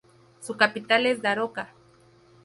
Su capital es Daroca.